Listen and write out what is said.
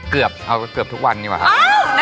เอ้าก็เกือบทุกวันนี่กว่าครับ